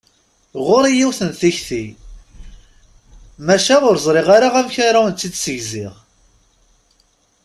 Ɣuṛ-i yiwet n tikti, maca ur ẓriɣ ara amek ara awen-tt-id-segziɣ!